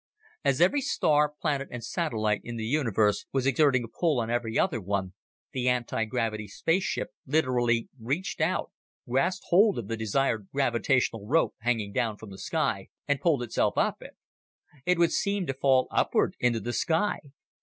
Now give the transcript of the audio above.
As every star, planet, and satellite in the universe was exerting a pull on every other one, the anti gravity spaceship literally reached out, grasped hold of the desired gravitational "rope" hanging down from the sky, and pulled itself up it. It would seem to fall upward into the sky.